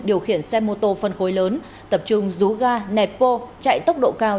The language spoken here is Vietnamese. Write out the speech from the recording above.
điều khiển xe mô tô phân khối lớn tập trung rú ga nẹt bô chạy tốc độ cao